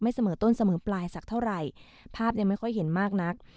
เสมอต้นเสมอปลายสักเท่าไหร่ภาพยังไม่ค่อยเห็นมากนัก